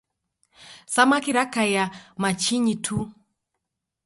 Samaki rakaia machinyi tu.